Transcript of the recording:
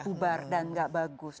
bubar dan nggak bagus